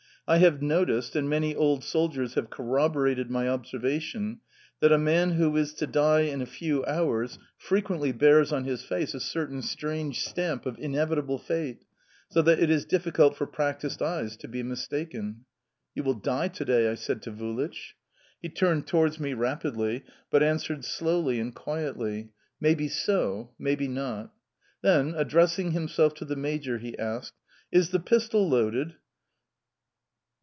I have noticed and many old soldiers have corroborated my observation that a man who is to die in a few hours frequently bears on his face a certain strange stamp of inevitable fate, so that it is difficult for practised eyes to be mistaken. "You will die to day!" I said to Vulich. He turned towards me rapidly, but answered slowly and quietly: "May be so, may be not."... Then, addressing himself to the major, he asked: "Is the pistol loaded?"